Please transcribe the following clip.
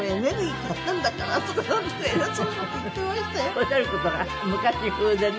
おっしゃる事が昔風でね。